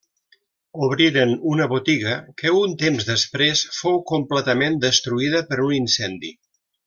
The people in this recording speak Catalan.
Obriren una botiga que, un temps després, fou completament destruïda per un incendi.